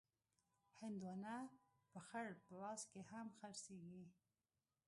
هندوانه په خړ پلاس کې هم خرڅېږي.